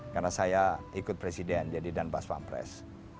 karena saya ikut presiden jadi dan paspampres